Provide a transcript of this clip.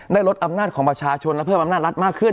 ได้ลดอำนาจของประชาชนและเพิ่มอำนาจรัฐมากขึ้น